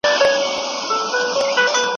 چارواکي له دې حقیقته خبر نه دي.